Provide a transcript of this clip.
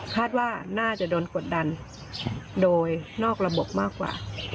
คาดว่าน่าจะโดนกดดันโดยนอกระบบมากกว่า